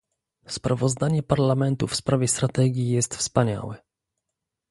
Sprawozdanie Parlamentu w sprawie strategii jest wspaniałe